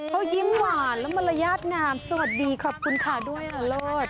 เขายิ้มหวานแล้วมารยาทงามสวัสดีขอบคุณค่ะด้วยค่ะเลิศ